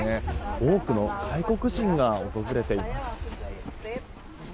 多くの外国人が訪れています。